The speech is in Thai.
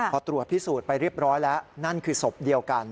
พอตรวจพิสูจน์ไปเรียบร้อยแล้วนั่นคือศพเดียวกัน